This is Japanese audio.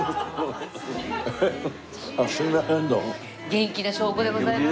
元気な証拠でございます。